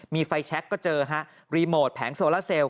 มีไฟแชคก็เจอฮะรีโมทแผงโซลาเซลล